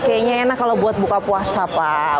kayaknya enak kalau buat buka puasa pak